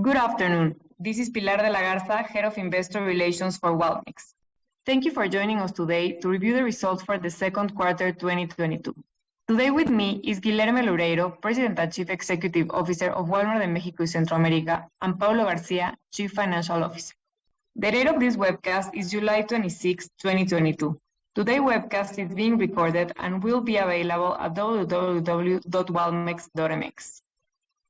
Good afternoon. This is Pilar de la Garza, Head of Investor Relations for Walmex. Thank you for joining us today to review the results for the second quarter 2022. Today with me is Guilherme Loureiro, President and Chief Executive Officer of Walmart de México y Centroamérica, and Paulo Garcia, Chief Financial Officer. The date of this webcast is July 26, 2022. Today's webcast is being recorded and will be available at www.walmex.mx.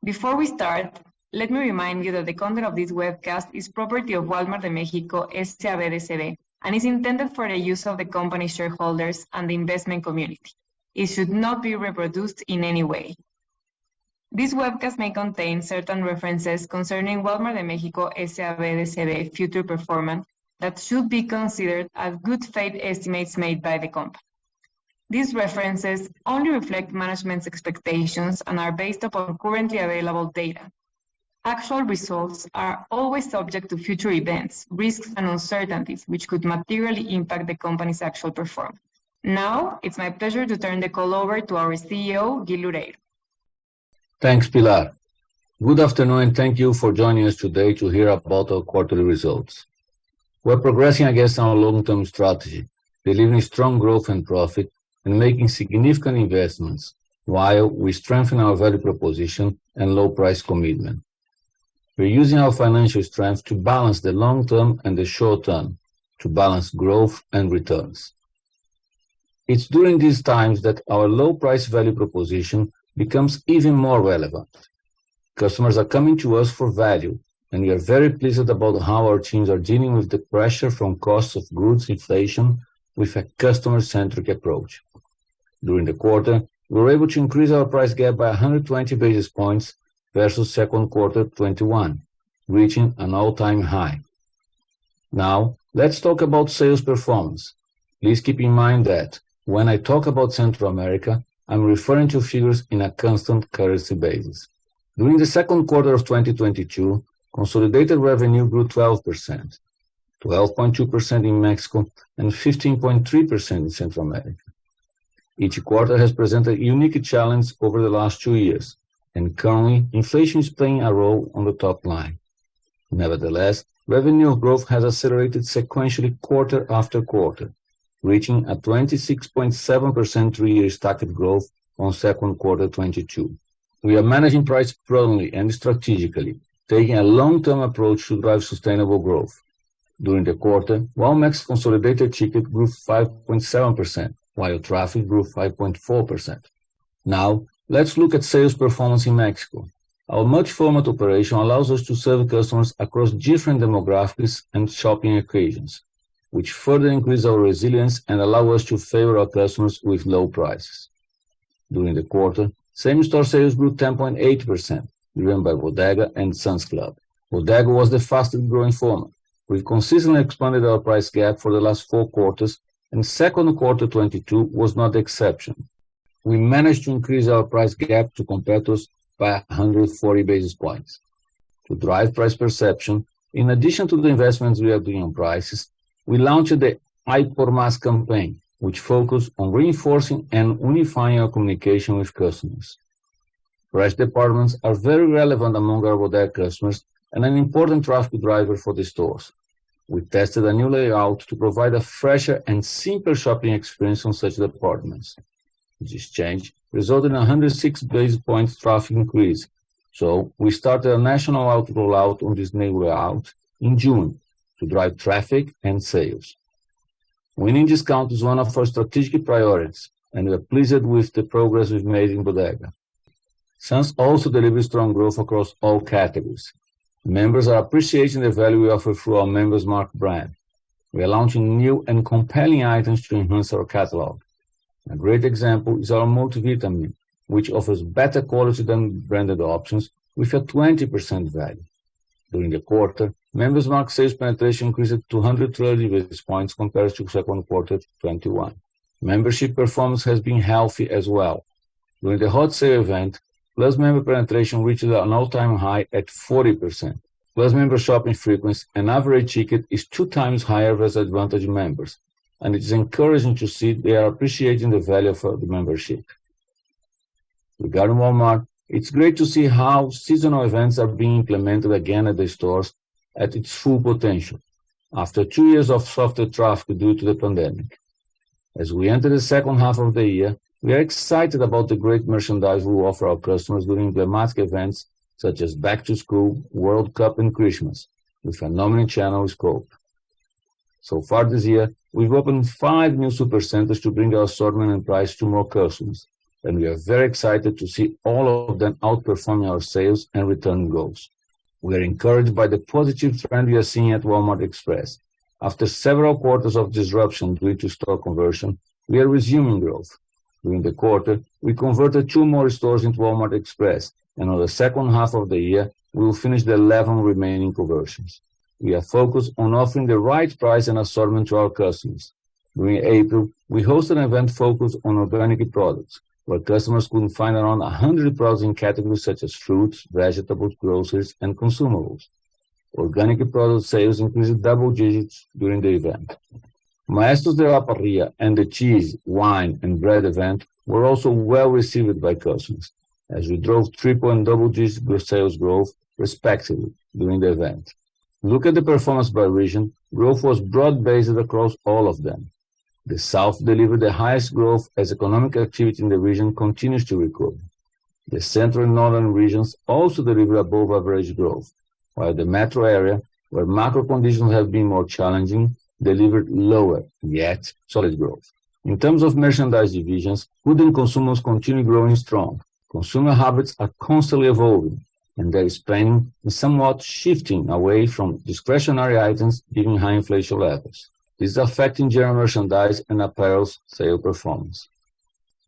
Before we start, let me remind you that the content of this webcast is property of Wal-Mart de México, S.A.B. de C.V. and is intended for the use of the company shareholders and the investment community. It should not be reproduced in any way. This webcast may contain certain references concerning Wal-Mart de México, S.A.B. de C.V. future performance that should be considered as good faith estimates made by the company. These references only reflect management's expectations and are based upon currently available data. Actual results are always subject to future events, risks and uncertainties, which could materially impact the company's actual performance. Now, it's my pleasure to turn the call over to our CEO, Guilherme. Thanks, Pilar. Good afternoon, and thank you for joining us today to hear about our quarterly results. We're progressing against our long-term strategy, delivering strong growth and profit, and making significant investments while we strengthen our value proposition and low price commitment. We're using our financial strength to balance the long term and the short term, to balance growth and returns. It's during these times that our low price value proposition becomes even more relevant. Customers are coming to us for value, and we are very pleased about how our teams are dealing with the pressure from cost of goods inflation with a customer-centric approach. During the quarter, we were able to increase our price gap by 120 basis points versus second quarter 2021, reaching an all-time high. Now, let's talk about sales performance. Please keep in mind that when I talk about Central America, I'm referring to figures in a constant currency basis. During the second quarter of 2022, consolidated revenue grew 12%, 12.2% in Mexico and 15.3% in Central America. Each quarter has presented unique challenges over the last two years, and currently, inflation is playing a role on the top line. Nevertheless, revenue growth has accelerated sequentially quarter after quarter, reaching a 26.7% three-year stacked growth on second quarter 2022. We are managing price prudently and strategically, taking a long-term approach to drive sustainable growth. During the quarter, Walmex consolidated ticket grew 5.7%, while traffic grew 5.4%. Now, let's look at sales performance in Mexico. Our multi-format operation allows us to serve customers across different demographics and shopping occasions, which further increase our resilience and allow us to favor our customers with low prices. During the quarter, same-store sales grew 10.8%, driven by Bodega and Sam's Club. Bodega was the fastest growing format. We've consistently expanded our price gap for the last four quarters, and second quarter 2022 was not the exception. We managed to increase our price gap to competitors by 140 basis points. To drive price perception, in addition to the investments we are doing on prices, we launched the Ahí por Más campaign, which focused on reinforcing and unifying our communication with customers. Fresh departments are very relevant among our Bodega customers and an important traffic driver for the stores. We tested a new layout to provide a fresher and simpler shopping experience on such departments. This change resulted in 106 basis points traffic increase, so we started a national rollout on this new layout in June to drive traffic and sales. Winning discount is one of our strategic priorities, and we are pleased with the progress we've made in Bodega. Sam's also delivered strong growth across all categories. Members are appreciating the value we offer through our Member's Mark brand. We are launching new and compelling items to enhance our catalog. A great example is our multivitamin, which offers better quality than branded options with a 20% value. During the quarter, Member's Mark sales penetration increased to 230 basis points compared to second quarter 2021. Membership performance has been healthy as well. During the Hot Sale event, Plus member penetration reached an all-time high at 40%. Plus member shopping frequency and average ticket is two times higher versus Advantage members, and it is encouraging to see they are appreciating the value of the membership. Regarding Walmart, it's great to see how seasonal events are being implemented again at the stores at its full potential after two years of softer traffic due to the pandemic. As we enter the second half of the year, we are excited about the great merchandise we will offer our customers during emblematic events such as back to school, World Cup, and Christmas, which are normally channel's scope. So far this year, we've opened five new Supercenters to bring our assortment and price to more customers, and we are very excited to see all of them outperforming our sales and return goals. We are encouraged by the positive trend we are seeing at Walmart Express. After several quarters of disruption due to store conversion, we are resuming growth. During the quarter, we converted two more stores into Walmart Express, and in the second half of the year, we will finish the 11 remaining conversions. We are focused on offering the right price and assortment to our customers. During April, we host an event focused on organic products where customers could find around 100 products in categories such as fruits, vegetables, groceries, and consumables. Organic product sales increased double digits during the event. Maestros de la Parrilla and the cheese, wine, and bread event were also well received by customers as we drove triple and double digits sales growth respectively during the event. Look at the performance by region. Growth was broad-based across all of them. The South delivered the highest growth as economic activity in the region continues to recover. The Central and Northern regions also delivered above average growth, while the Metro area, where macro conditions have been more challenging, delivered lower, yet solid growth. In terms of merchandise divisions, food and consumables continue growing strong. Consumer habits are constantly evolving, and their spending is somewhat shifting away from discretionary items given high inflation levels. This is affecting general merchandise and apparel's sales performance.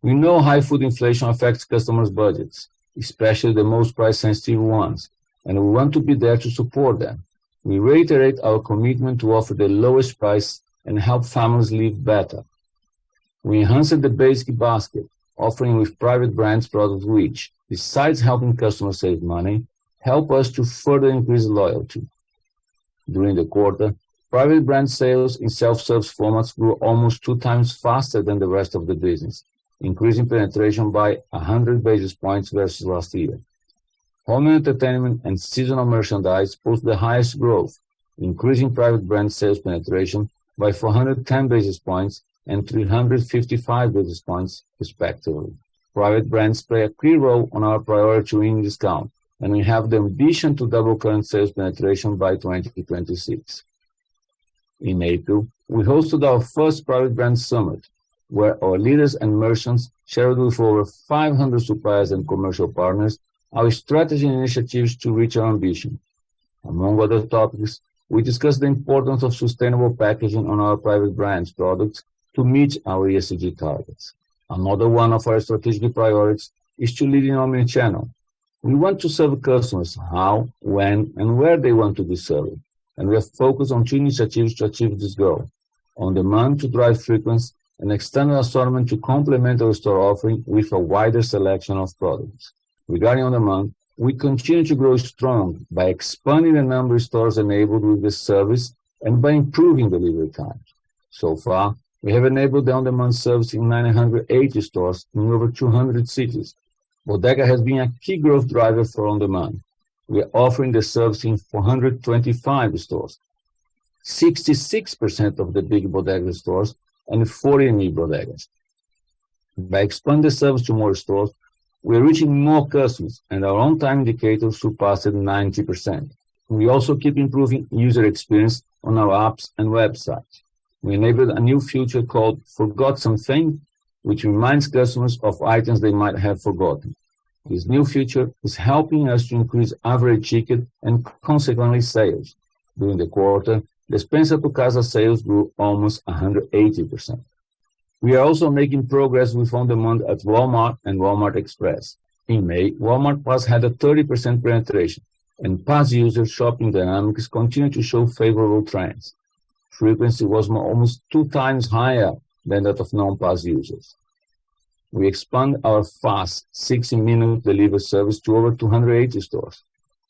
We know high food inflation affects customers' budgets, especially the most price-sensitive ones, and we want to be there to support them. We reiterate our commitment to offer the lowest price and help families live better. We enhanced the basic basket offering with private brands products which, besides helping customers save money, help us to further increase loyalty. During the quarter, private brand sales in self-service formats grew almost 2 times faster than the rest of the business, increasing penetration by 100 basis points versus last year. Home entertainment and seasonal merchandise posted the highest growth, increasing private brand sales penetration by 410 basis points and 355 basis points respectively. Private brands play a key role in our priority to win in discount, and we have the ambition to double current sales penetration by 2026. In April, we hosted our first private brand summit, where our leaders and merchants shared with over 500 suppliers and commercial partners our strategic initiatives to reach our ambition. Among other topics, we discussed the importance of sustainable packaging on our private brand products to meet our ESG targets. Another one of our strategic priorities is to lead in omnichannel. We want to serve customers how, when, and where they want to be served, and we are focused on two initiatives to achieve this goal. On Demand to drive frequency and external assortment to complement our store offering with a wider selection of products. Regarding On Demand, we continue to grow strong by expanding the number of stores enabled with this service and by improving delivery times. So far, we have enabled the On Demand service in 980 stores in over 200 cities. Bodega has been a key growth driver for On Demand. We are offering the service in 425 stores, 66% of the big Bodega stores and 40 new Bodegas. By expanding the service to more stores, we are reaching more customers, and our on-time indicators surpasses 90%. We also keep improving user experience on our apps and websites. We enabled a new feature called Forgot Something, which reminds customers of items they might have forgotten. This new feature is helping us to increase average ticket and consequently sales. During the quarter, Despensa a tu Casa sales grew almost 180%. We are also making progress with On Demand at Walmart and Walmart Express. In May, Walmart+ had a 30% penetration, and Plus user shopping dynamics continued to show favorable trends. Frequency was almost two times higher than that of non-Plus users. We expand our fast 60-minute delivery service to over 280 stores.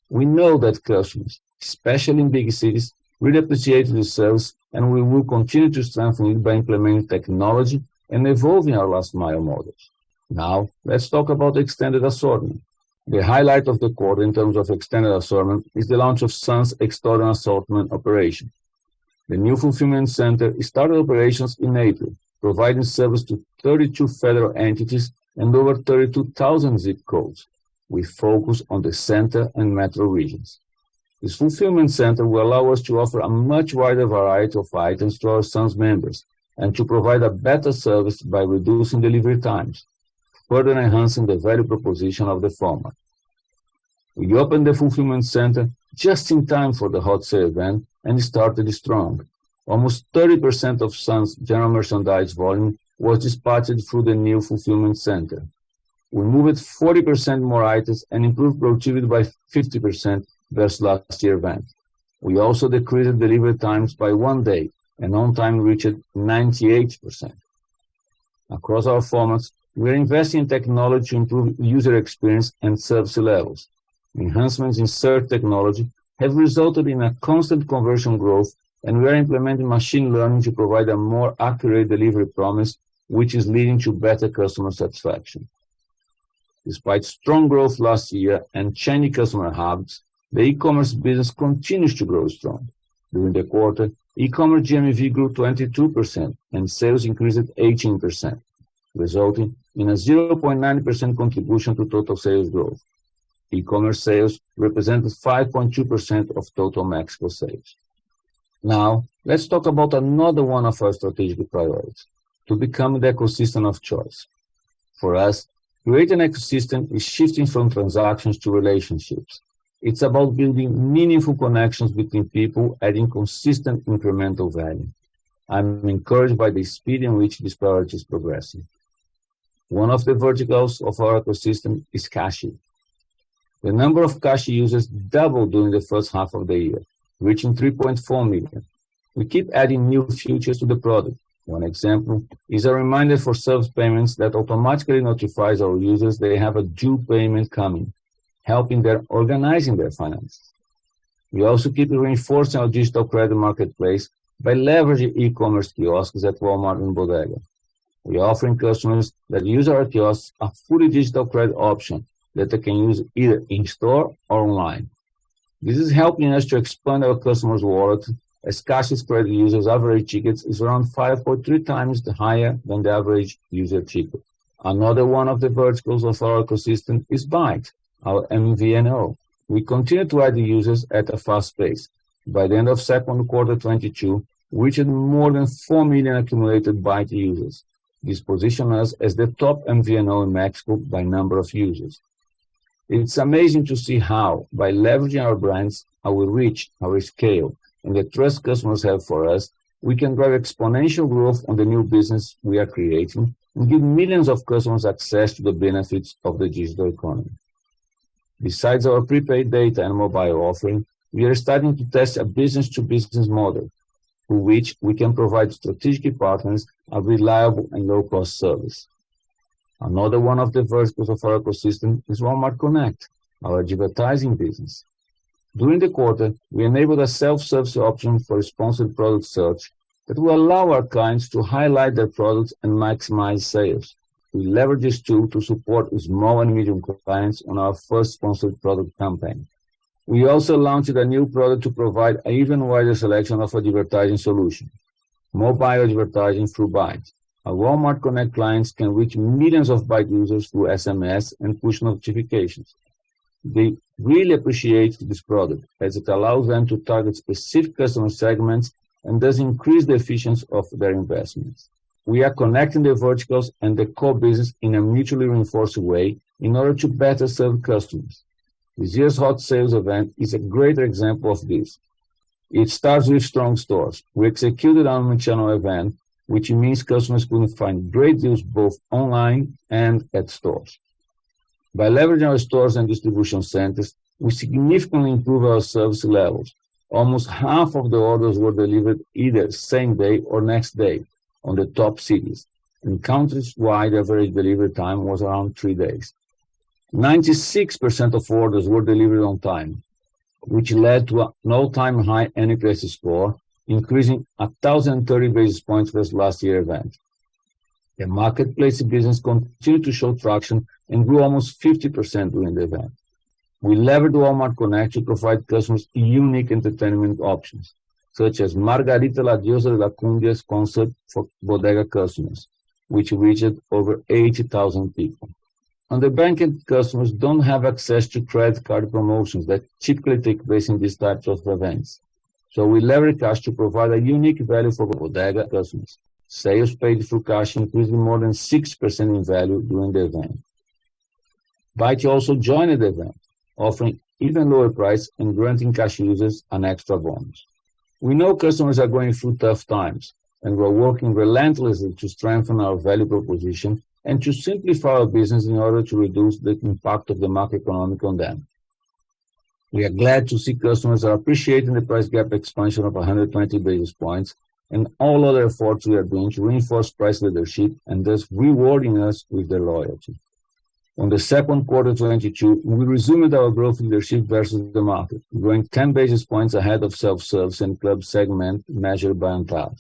We know that customers, especially in big cities, really appreciate this service, and we will continue to strengthen it by implementing technology and evolving our last mile models. Now, let's talk about extended assortment. The highlight of the quarter in terms of extended assortment is the launch of Sam's external assortment operation. The new fulfillment center started operations in April, providing service to 32 federal entities and over 32,000 ZIP codes. We focus on the central and metro regions. This fulfillment center will allow us to offer a much wider variety of items to our Sam's members and to provide a better service by reducing delivery times, further enhancing the value proposition of the format. We opened the fulfillment center just in time for the Hot Sale event and started strong. Almost 30% of Sam's general merchandise volume was dispatched through the new fulfillment center. We moved 40% more items and improved productivity by 50% versus last year's event. We also decreased delivery times by one day and on time reached 98%. Across our formats, we are investing in technology to improve user experience and service levels. Enhancements in search technology have resulted in a constant conversion growth, and we are implementing machine learning to provide a more accurate delivery promise, which is leading to better customer satisfaction. Despite strong growth last year and changing customer habits, the e-commerce business continues to grow strong. During the quarter, e-commerce GMV grew 22% and sales increased 18%, resulting in a 0.9% contribution to total sales growth. E-commerce sales represented 5.2% of total Mexico sales. Now, let's talk about another one of our strategic priorities, to become the ecosystem of choice. For us, creating an ecosystem is shifting from transactions to relationships. It's about building meaningful connections between people, adding consistent incremental value. I'm encouraged by the speed in which this priority is progressing. One of the verticals of our ecosystem is Cashi. The number of Cashi users doubled during the first half of the year, reaching 3.4 million. We keep adding new features to the product. One example is a reminder for service payments that automatically notifies our users they have a due payment coming, helping them organize their finances. We also keep reinforcing our digital credit marketplace by leveraging e-commerce kiosks at Walmart and Bodega. We're offering customers that use our kiosks a fully digital credit option that they can use either in store or online. This is helping us to expand our customers' wallet as Cashi users' average ticket is around 5.3 times higher than the average user ticket. Another one of the verticals of our ecosystem is BAIT, our MVNO. We continue to add users at a fast pace. By the end of second quarter 2022, we reached more than 4 million accumulated BAIT users. This positions us as the top MVNO in Mexico by number of users. It's amazing to see how by leveraging our brands, our reach, our scale, and the trust customers have for us, we can drive exponential growth on the new business we are creating and give millions of customers access to the benefits of the digital economy. Besides our prepaid data and mobile offering, we are starting to test a business-to-business model through which we can provide strategic partners a reliable and low-cost service. Another one of the verticals of our ecosystem is Walmart Connect, our advertising business. During the quarter, we enabled a self-service option for sponsored product search that will allow our clients to highlight their products and maximize sales. We leverage this tool to support small and medium clients on our first sponsored product campaign. We also launched a new product to provide even wider selection of advertising solution, mobile advertising through BAIT. Our Walmart Connect clients can reach millions of BAIT users through SMS and push notifications. They really appreciate this product as it allows them to target specific customer segments and thus increase the efficiency of their investments. We are connecting the verticals and the core business in a mutually reinforcing way in order to better serve customers. This year's Hot Sale event is a great example of this. It starts with strong stores. We executed our omnichannel event, which means customers could find great deals both online and at stores. By leveraging our stores and distribution centers, we significantly improve our service levels. Almost half of the orders were delivered either same day or next day on the top cities, and countrywide, average delivery time was around three days. 96% of orders were delivered on time, which led to an all-time high Net Promoter Score, increasing 1,030 basis points versus last year's event. The marketplace business continued to show traction and grew almost 50% during the event. We leveraged Walmart Connect to provide customers unique entertainment options, such as Margarita la Diosa de la Cumbia's concert for Bodega customers, which reached over 80,000 people. Underbanked customers don't have access to credit card promotions that typically take place in these types of events. We leverage Cashi to provide a unique value for Bodega customers. Sales paid through Cashi increased more than 6% in value during the event. BAIT also joined the event, offering even lower price and granting Cashi users an extra bonus. We know customers are going through tough times, and we're working relentlessly to strengthen our value proposition and to simplify our business in order to reduce the impact of the macroeconomic on them. We are glad to see customers are appreciating the price gap expansion of 120 basis points and all other efforts we are doing to reinforce price leadership and thus rewarding us with their loyalty. In the second quarter 2022, we resumed our growth leadership versus the market, growing 10 basis points ahead of self-service and club segment measured by ANTAD.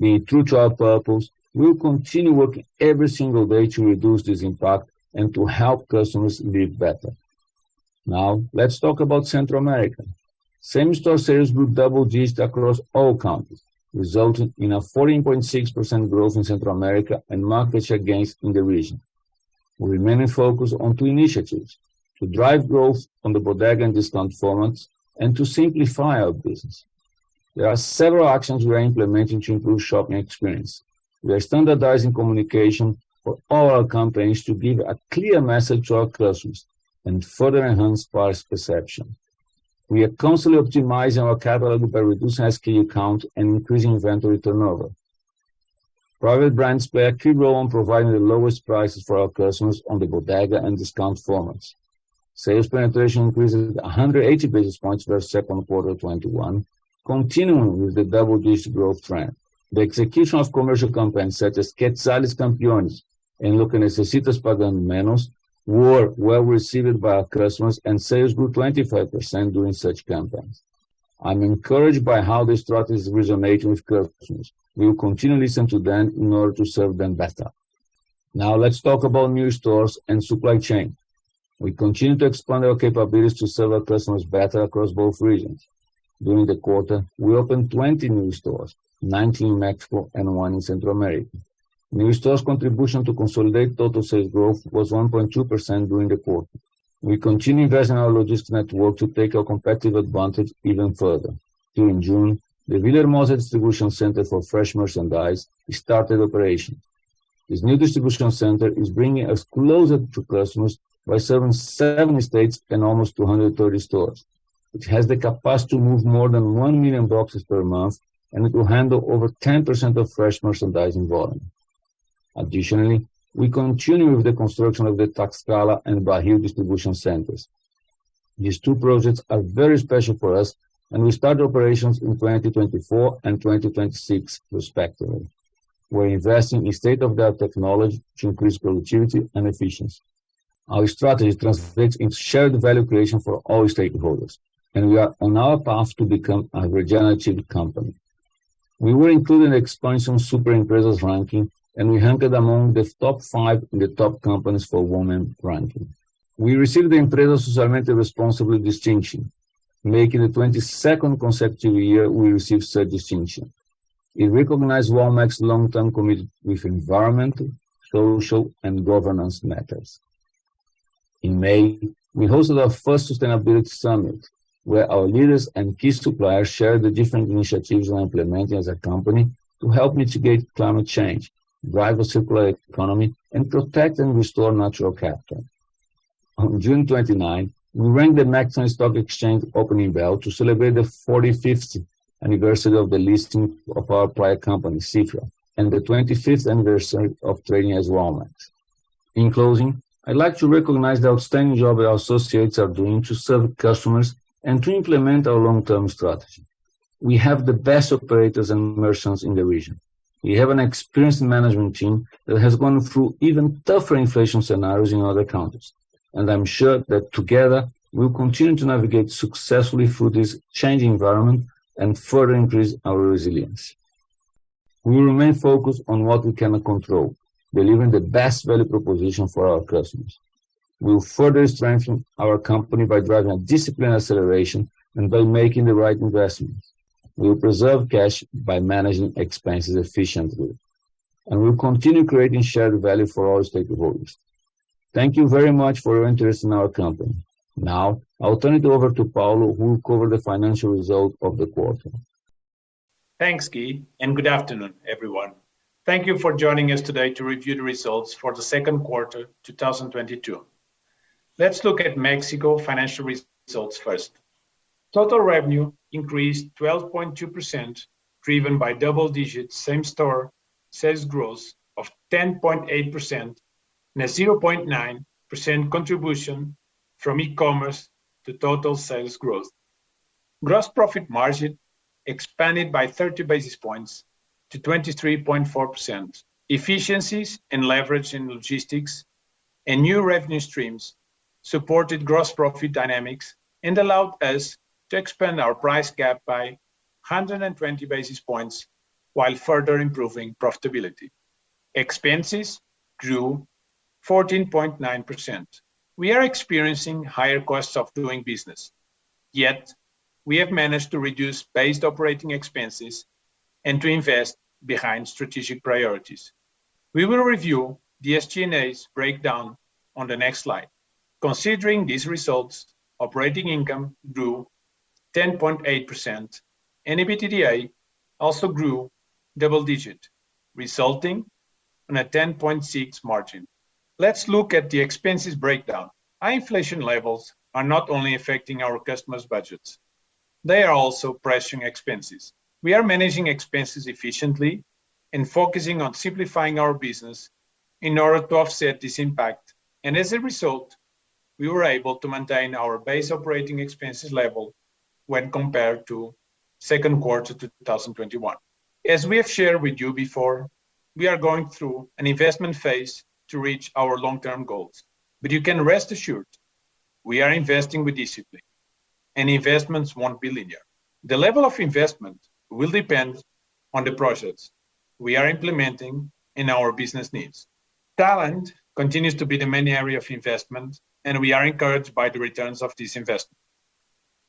Being true to our purpose, we will continue working every single day to reduce this impact and to help customers live better. Now, let's talk about Central America. Same-store sales grew double-digit across all countries, resulting in a 14.6% growth in Central America and market share gains in the region. We remain focused on two initiatives, to drive growth on the Bodega and discount formats and to simplify our business. There are several actions we are implementing to improve shopping experience. We are standardizing communication for all our companies to give a clear message to our customers and further enhance price perception. We are constantly optimizing our catalog by reducing SKU count and increasing inventory turnover. Private brands play a key role in providing the lowest prices for our customers on the Bodega and discount formats. Sales penetration increases 180 basis points versus second quarter 2021, continuing with the double-digit growth trend. The execution of commercial campaigns such as Quetzales Campeones and Lo que necesitas pagando menos were well received by our customers and sales grew 25% during such campaigns. I'm encouraged by how these strategies resonate with customers. We will continue listening to them in order to serve them better. Now let's talk about new stores and supply chain. We continue to expand our capabilities to serve our customers better across both regions. During the quarter, we opened 20 new stores, 19 in Mexico and one in Central America. New stores' contribution to consolidated total sales growth was 1.2% during the quarter. We continue investing in our logistics network to take our competitive advantage even further. During June, the Villahermosa Distribution Center for fresh merchandise started operation. This new distribution center is bringing us closer to customers by serving seven states and almost 230 stores, which has the capacity to move more than 1 million boxes per month, and it will handle over 10% of fresh merchandise in volume. Additionally, we continue with the construction of the Tlaxcala and Bajío Distribution Centers. These two projects are very special for us, and we start operations in 2024 and 2026 respectively. We're investing in state-of-the-art technology to increase productivity and efficiency. Our strategy translates into shared value creation for all stakeholders, and we are on our path to become a regenerative company. We were included in the Expansión Súper Empresas ranking, and we ranked among the top five in the top companies for women ranking. We received the Empresa Socialmente Responsable distinction, making the 22nd consecutive year we received such distinction. It recognized Walmart's long-term commitment with environmental, social, and governance matters. In May, we hosted our first sustainability summit, where our leaders and key suppliers shared the different initiatives we are implementing as a company to help mitigate climate change, drive a circular economy, and protect and restore natural capital. On June 29, we rang the Mexican Stock Exchange opening bell to celebrate the 45th anniversary of the listing of our prior company, Cifra, and the 25th anniversary of trading as Walmart. In closing, I'd like to recognize the outstanding job our associates are doing to serve customers and to implement our long-term strategy. We have the best operators and merchants in the region. We have an experienced management team that has gone through even tougher inflation scenarios in other countries, and I'm sure that together, we'll continue to navigate successfully through this changing environment and further increase our resilience. We will remain focused on what we can control, delivering the best value proposition for our customers. We will further strengthen our company by driving a disciplined acceleration and by making the right investments. We will preserve cash by managing expenses efficiently, and we'll continue creating shared value for all stakeholders. Thank you very much for your interest in our company. Now, I'll turn it over to Paulo, who will cover the financial result of the quarter. Thanks, Gui, and good afternoon, everyone. Thank you for joining us today to review the results for the second quarter 2022. Let's look at México financial results first. Total revenue increased 12.2%, driven by double-digit same-store sales growth of 10.8% and a 0.9% contribution from e-commerce to total sales growth. Gross profit margin expanded by 30 basis points to 23.4%. Efficiencies and leverage in logistics and new revenue streams supported gross profit dynamics and allowed us to expand our price gap by 120 basis points while further improving profitability. Expenses grew 14.9%. We are experiencing higher costs of doing business, yet we have managed to reduce base operating expenses and to invest behind strategic priorities. We will review the SG&A's breakdown on the next slide. Considering these results, operating income grew 10.8%. EBITDA also grew double-digit, resulting in a 10.6% margin. Let's look at the expenses breakdown. High inflation levels are not only affecting our customers' budgets, they are also pressuring expenses. We are managing expenses efficiently and focusing on simplifying our business in order to offset this impact. As a result, we were able to maintain our base operating expenses level when compared to second quarter 2021. As we have shared with you before, we are going through an investment phase to reach our long-term goals. You can rest assured we are investing with discipline, and investments won't be linear. The level of investment will depend on the projects we are implementing and our business needs. Talent continues to be the main area of investment, and we are encouraged by the returns of this investment,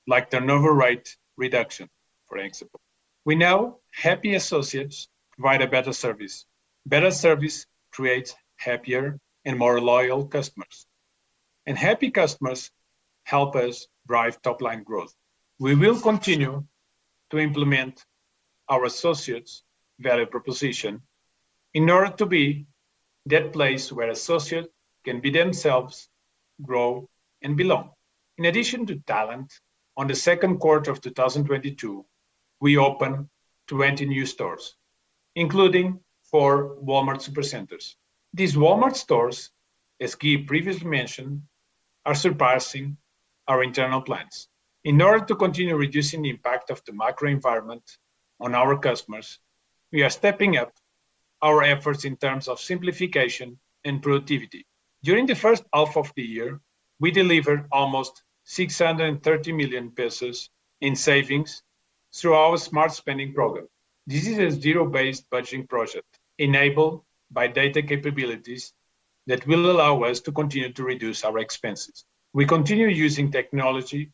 like the turnover rate reduction, for example. We know happy associates provide a better service. Better service creates happier and more loyal customers. Happy customers help us drive top-line growth. We will continue to implement our associates' value proposition in order to be that place where associates can be themselves, grow, and belong. In addition to talent, in the second quarter of 2022, we opened 20 new stores, including four Walmart Supercenters. These Walmart stores, as Gui previously mentioned, are surpassing our internal plans. In order to continue reducing the impact of the macro environment on our customers, we are stepping up our efforts in terms of simplification and productivity. During the first half of the year, we delivered almost 630 million pesos in savings through our smart spending program. This is a zero-based budgeting project enabled by data capabilities that will allow us to continue to reduce our expenses. We continue using technology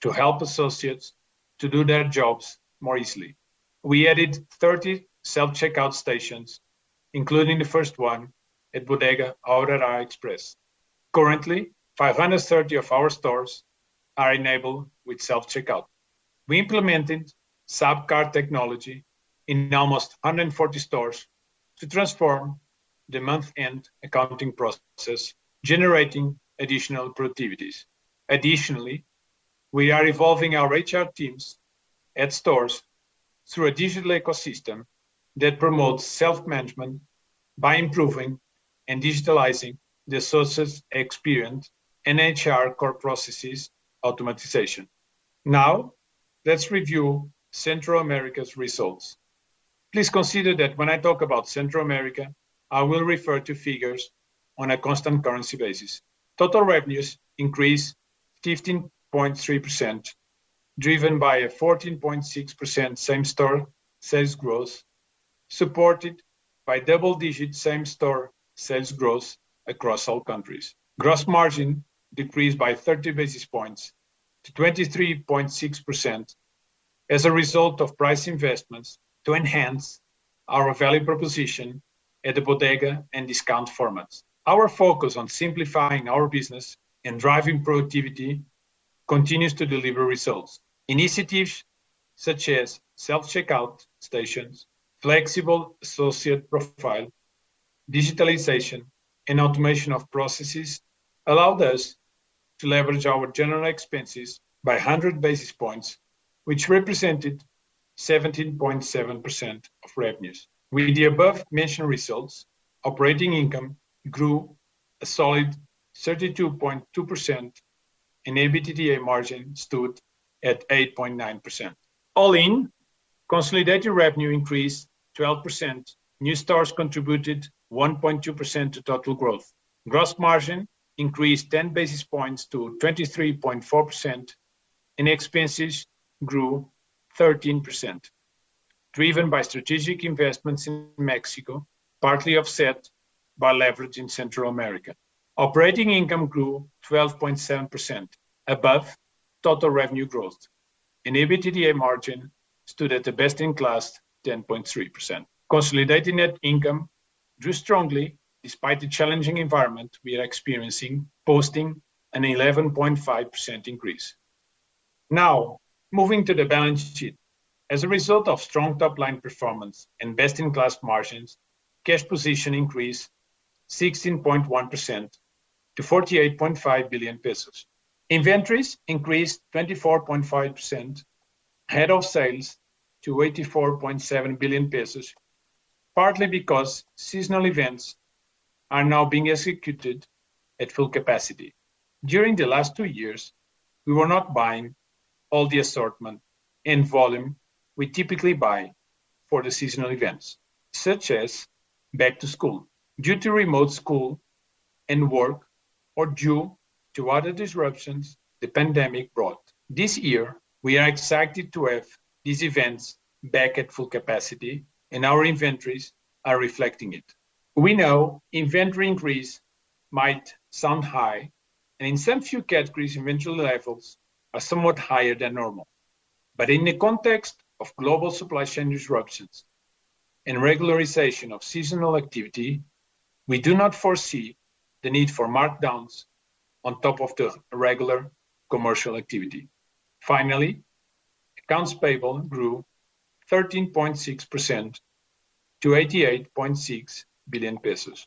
to help associates to do their jobs more easily. We added 30 self-checkout stations, including the first one at Bodega Aurrerá Express. Currently, 530 of our stores are enabled with self-checkout. We implemented SAP CAR technology in almost 140 stores to transform the month-end accounting processes, generating additional productivities. Additionally, we are evolving our HR teams at stores through a digital ecosystem that promotes self-management by improving and digitalizing the associates' experience in HR core processes automation. Now, let's review Central America's results. Please consider that when I talk about Central America, I will refer to figures on a constant currency basis. Total revenues increased 15.3%, driven by a 14.6% same-store sales growth, supported by double-digit same-store sales growth across all countries. Gross margin decreased by 30 basis points to 23.6% as a result of price investments to enhance our value proposition at the bodega and discount formats. Our focus on simplifying our business and driving productivity continues to deliver results. Initiatives such as self-checkout stations, flexible associate profile, digitalization, and automation of processes allowed us to leverage our general expenses by 100 basis points, which represented 17.7% of revenues. With the above-mentioned results, operating income grew a solid 32.2%, and EBITDA margin stood at 8.9%. All in, consolidated revenue increased 12%. New stores contributed 1.2% to total growth. Gross margin increased 10 basis points to 23.4%, and expenses grew 13%, driven by strategic investments in Mexico, partly offset by leverage in Central America. Operating income grew 12.7% above total revenue growth, and EBITDA margin stood at a best-in-class 10.3%. Consolidated net income grew strongly despite the challenging environment we are experiencing, posting an 11.5% increase. Now, moving to the balance sheet. As a result of strong top-line performance and best-in-class margins, cash position increased 16.1% to 48.5 billion pesos. Inventories increased 24.5% ahead of sales to 84.7 billion pesos, partly because seasonal events are now being executed at full capacity. During the last two years, we were not buying all the assortment and volume we typically buy for the seasonal events, such as back to school, due to remote school and work, or due to other disruptions the pandemic brought. This year, we are excited to have these events back at full capacity, and our inventories are reflecting it. We know inventory increase might sound high, and in some few categories, inventory levels are somewhat higher than normal. In the context of global supply chain disruptions and regularization of seasonal activity, we do not foresee the need for markdowns on top of the regular commercial activity. Finally, accounts payable grew 13.6% to 88.6 billion pesos.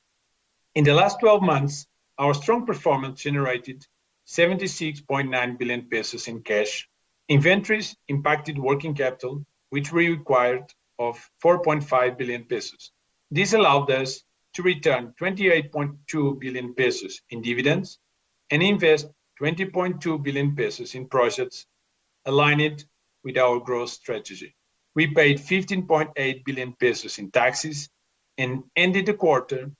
In the last 12 months, our strong performance generated 76.9 billion pesos in cash. Inventories impacted working capital, which we required of 4.5 billion pesos. This allowed us to return 28.2 billion pesos in dividends and invest 20.2 billion pesos in projects aligned with our growth strategy. We paid 15.8 billion pesos in taxes and ended the quarter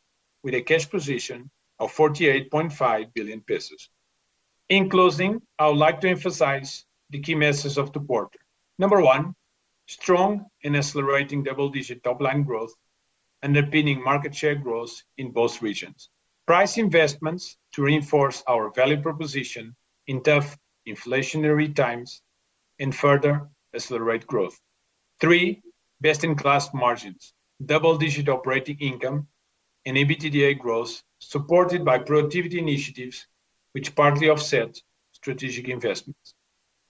with a cash position of 48.5 billion pesos. In closing, I would like to emphasize the key messages of the quarter. Number one, strong and accelerating double-digit top-line growth and underpinning market share growth in both regions. Price investments to reinforce our value proposition in tough inflationary times and further accelerate growth. Three, best-in-class margins, double-digit operating income, and EBITDA growth supported by productivity initiatives which partly offset strategic investments.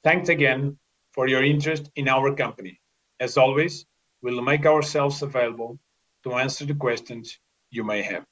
Thanks again for your interest in our company. As always, we'll make ourselves available to answer the questions you may have.